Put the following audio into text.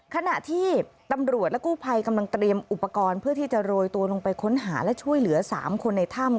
ขณะที่ตำรวจและกู้ภัยกำลังเตรียมอุปกรณ์เพื่อที่จะโรยตัวลงไปค้นหาและช่วยเหลือ๓คนในถ้ำ